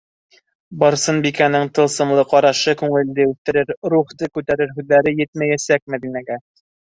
Барсынбикәнең тылсымлы ҡарашы, күңелде үҫтерер, рухты күтәрер һүҙҙәре етмәйәсәк Мәҙинәгә.